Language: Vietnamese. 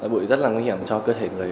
bụi rất là nguy hiểm cho cơ thể người